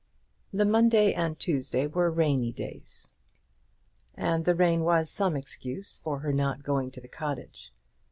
The Monday and Tuesday were rainy days, and the rain was some excuse for her not going to the cottage.